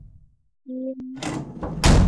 贾拓夫则被下放到北京钢铁公司当副经理。